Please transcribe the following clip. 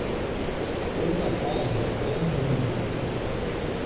Toda casa é um mundo.